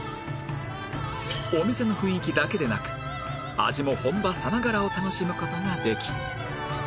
お店の雰囲気だけでなく味も本場さながらを楽しむ事ができ